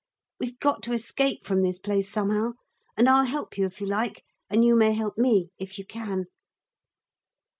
We've got to escape from this place somehow, and I'll help you if you like, and you may help me if you can.'